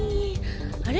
あれ？